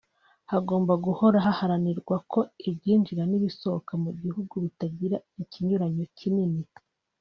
Hagomba guhora haharanirwa ko ibyinjira n’ibisohoka mu gihugu bitagira ikinyuranyo kinini